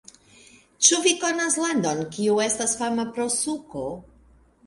Ĉu vi konas landon, kiu estas fama pro suko?